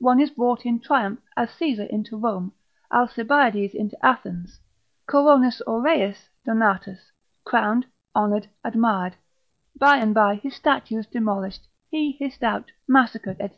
One is brought in triumph, as Caesar into Rome, Alcibiades into Athens, coronis aureis donatus, crowned, honoured, admired; by and by his statues demolished, he hissed out, massacred, &c.